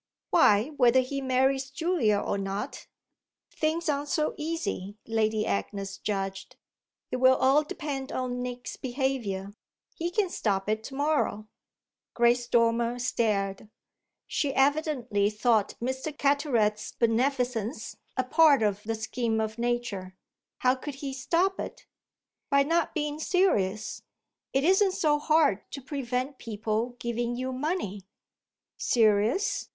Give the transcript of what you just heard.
"Why whether he marries Julia or not." "Things aren't so easy," Lady Agnes judged. "It will all depend on Nick's behaviour. He can stop it to morrow." Grace Dormer stared; she evidently thought Mr. Carteret's beneficence a part of the scheme of nature. "How could he stop it?" "By not being serious. It isn't so hard to prevent people giving you money." "Serious?"